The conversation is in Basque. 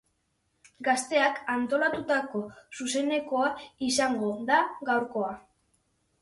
Gazteak antolatutako zuzenekoa izango da gaurkoa.